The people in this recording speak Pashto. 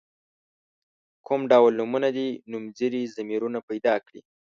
کوم ډول نومونه دي نومځري ضمیرونه پیداکړي.